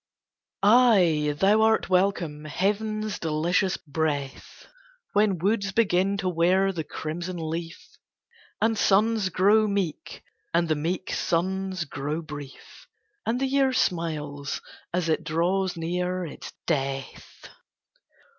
Ay, thou art welcome, heaven's delicious breath, When woods begin to wear the crimson leaf, And suns grow meek, and the meek suns grow brief, And the year smiles as it draws near its death.